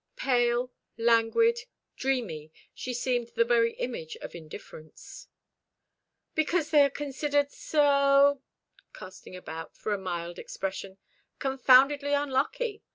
Pale, languid, dreamy, she seemed the very image of indifference. "Because they are considered so" casting about for a mild expression "confoundedly unlucky.